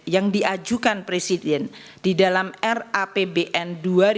yang diajukan presiden di dalam rapbn dua ribu dua puluh